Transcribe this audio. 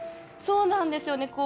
そうなんですよね。